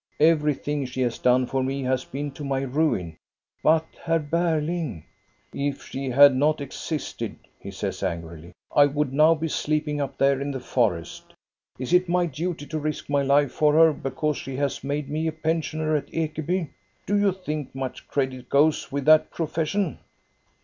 Everything she has done for me has been to my ruin." "But Herr Berling —"" If she had not existed," he says angrily, " I would now be sleeping up there in the forest. Is it my duty to risk my life for her, because she has made me a pensioner at Ekeby? Do you think much credit goes with that profession